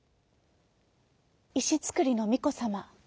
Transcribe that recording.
いしつくりのみこさま。